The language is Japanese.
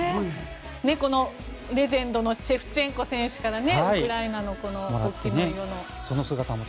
このレジェンドのシェフチェンコ選手からウクライナの国旗の色の。